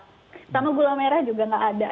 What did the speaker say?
sama gula merah juga nggak ada